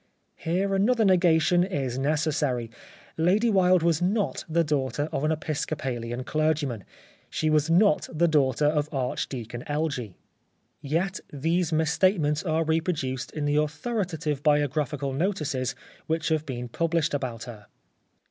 Here another negation is necessary. Lady Wilde was not the daughter of an Episcopalian clergyman ; she was not the daughter of Archdeacon Elgee. Yet these misstatements are reproduced in the authoritative biographical notices which have been published about her.